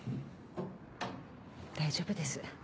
大丈夫です。